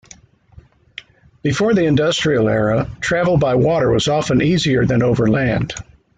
Before the industrial era, travel by water was often easier than over land.